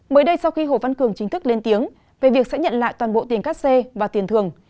mới đây sau khi hồ văn cường chính thức lên tiếng về việc sẽ nhận lại toàn bộ tiền cắt xê và tiền thường